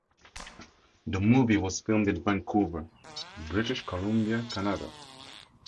The movie was filmed in Vancouver, British Columbia, Canada.